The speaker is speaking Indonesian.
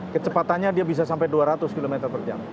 kecepatannya dia bisa sampai dua ratus km per jam